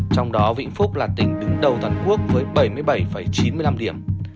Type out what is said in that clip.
trong đó vĩnh phúc là tỉnh đứng đầu toàn quốc với bảy mươi bảy chín mươi năm điểm